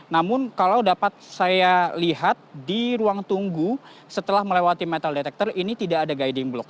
namun kalau dapat saya lihat di ruang tunggu setelah melewati metal detector ini tidak ada guiding block